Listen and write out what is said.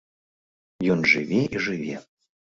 Ён жыве і жыве.